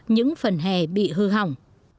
những phần hè bị hư hỏng